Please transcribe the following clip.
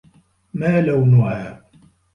مَا لَوْنُهَا ؟